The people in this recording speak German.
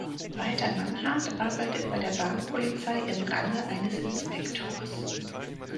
Walter Mannhardt arbeitet bei der Bahnpolizei im Range eines Inspektors.